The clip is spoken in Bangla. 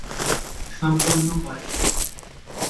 সম্পন্ন করেন।